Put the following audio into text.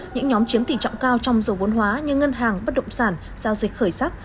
những nhóm chiếm tỷ trọng cao trong dầu vốn hóa như ngân hàng bất động sản giao dịch khởi sắc